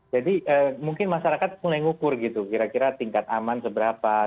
jadi mungkin masyarakat mulai mengukur gitu kira kira tingkat aman seberapa